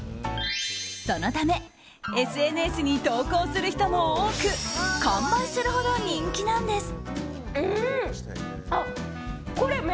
そのためＳＮＳに投稿する人も多く完売するほど人気なんです。